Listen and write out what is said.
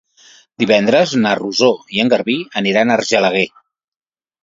Divendres na Rosó i en Garbí aniran a Argelaguer.